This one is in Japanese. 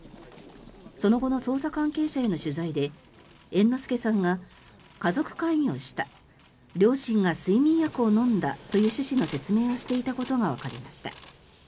その後の捜査関係者への取材で猿之助さんが家族会議をした両親が睡眠薬を飲んだという趣旨の説明をしていたことがわかりました。